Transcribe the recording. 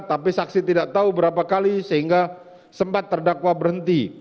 tapi saksi tidak tahu berapa kali sehingga sempat terdakwa berhenti